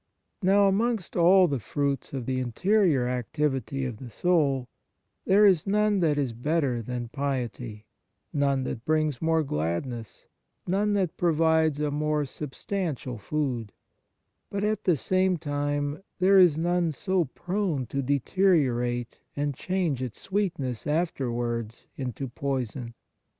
Now, amongst all the fruits of the interior activity of the soul, there is none that is better than piety, none that brings more gladness, none that provides a more substantial food ; but, at the same time, there is none so prone to deteriorate and change its sweetness afterwards into poison.